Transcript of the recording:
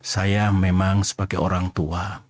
saya memang sebagai orang tua kok jadi begini